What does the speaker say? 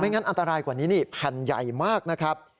ไม่งั้นอันตรายกว่านี้พันธุ์ใหญ่มากนะครับ